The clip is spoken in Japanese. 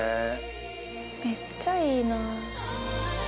めっちゃいいな。